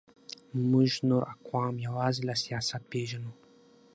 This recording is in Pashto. موږ نور اقوام یوازې له سیاست پېژنو.